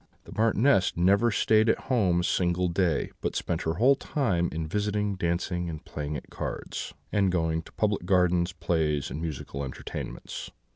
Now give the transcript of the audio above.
The Marchioness never stayed at home a single day, but spent her whole time in visiting, dancing, and playing at cards, and going to public gardens, plays, and musical entertainments.